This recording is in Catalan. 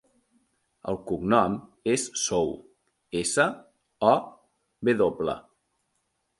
El cognom és Sow: essa, o, ve doble.